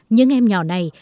những em nhỏ này